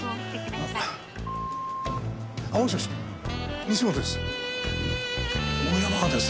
あもしもし西本です。